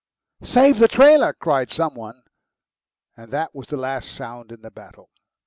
"Save the trailer!" cried some one, and that was the last round in the battle.